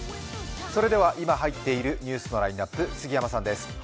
それでは、今入っているニュースのラインナップ、杉山さんです。